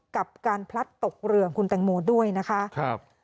กับการพลัดตกเรือของคุณแตงโมด้วยนะคะครับ